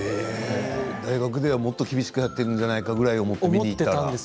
大学ではもっと厳しくやっているんじゃないかと思ったら。